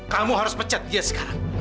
kamu harus pecat dia sekarang